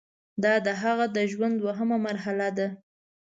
دا د هغه د ژوند دوهمه مرحله ده.